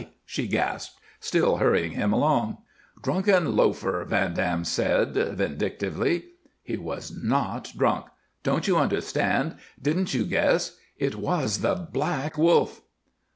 she gasped, still hurrying him along. "Drunken loafer!" Van Dam said, vindictively. "He was not drunk! Don't you understand? Didn't you guess? It was the Black Wolf!"